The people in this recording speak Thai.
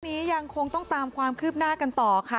ยังคงต้องตามความคืบหน้ากันต่อค่ะ